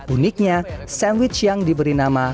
uniknya sandwich yang diberi nama